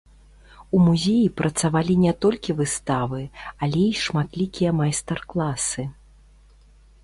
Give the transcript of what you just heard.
У музеі працавалі не толькі выставы, але і шматлікія майстар-класы.